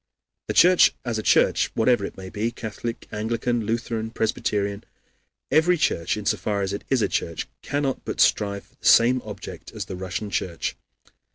The Church as a church, whatever it may be Catholic, Anglican, Lutheran, Presbyterian every church, in so far as it is a church, cannot but strive for the same object as the Russian Church.